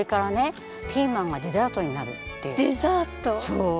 そう！